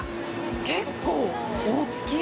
結構大きい。